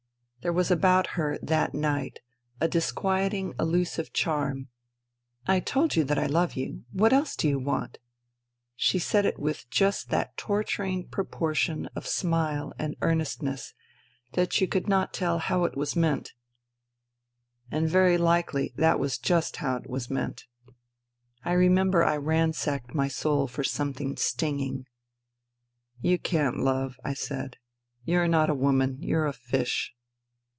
There was about her that night a dis quieting, elusive charm. " I told you that I love you. What else do you want ?" She said it with just that torturing proportion of smile and earnestness that you could not tell how it was meant : and very likely that was just how it was meant. I remember I ransacked my soul for something stinging. " You can't love," I said. " You're not a woman ; you're a fish."